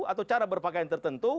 atau cara berpakaian tertentu